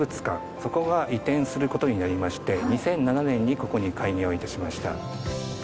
そこが移転することになりまして２００７年にここに開業いたしました